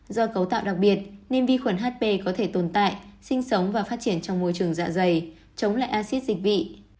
do cấu tạo đặc biệt nên vi khuẩn hp có thể tồn tại sinh sống và phát triển trong môi trường dạ dày chống lại acid dịch vị